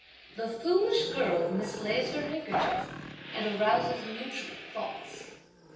The foolish girl mislays her handkerchief and arouses mutual thoughts.